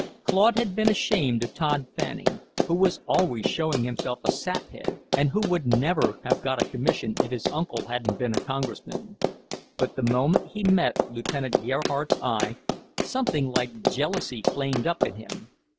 Claude had been ashamed of Tod Fanning, who was always showing himself a sap head, and who would never have got a commission if his uncle hadn't been a Congressman. But the moment he met Lieutenant Gerhardt's eye, something like jealousy flamed up in him.